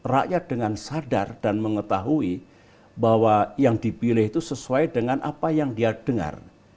rakyat dengan sadar dan mengetahui bahwa yang dipilih itu sesuai dengan apa yang dia dengar